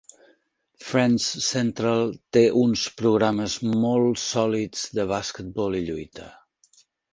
Friends' Central té uns programes molt sòlids de basquetbol i lluita.